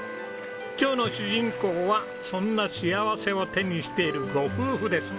今日の主人公はそんな幸せを手にしているご夫婦です。